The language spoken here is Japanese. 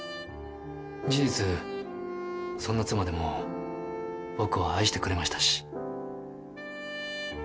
事実そんな妻でも僕を愛してくれましたし。